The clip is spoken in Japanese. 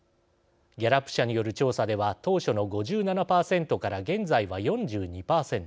ギャラップ社による調査では当初の５７％から現在は４２％。